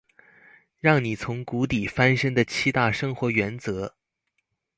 讓你從谷底翻身的七大生活原則